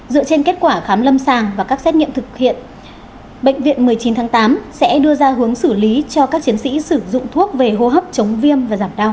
dựa trên kết quả khám lâm sàng và các xét nghiệm thực hiện bệnh viện một mươi chín tháng tám sẽ đưa ra hướng xử lý cho các chiến sĩ sử dụng thuốc về hô hấp chống viêm và giảm đau